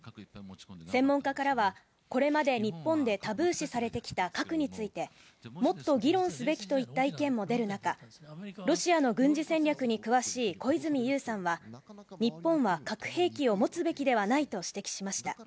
専門家からは、これまで日本でタブー視されてきた核について、もっと議論すべきといった意見も出る中、ロシアの軍事戦略に詳しい小泉悠さんは、日本は核兵器を持つべきではないと指摘しました。